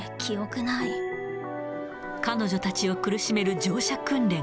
彼女たちを苦しめる乗車訓練。